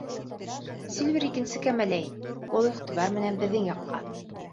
Сильвер икенсе кәмәлә ине, ул иғтибар менән беҙҙең яҡҡа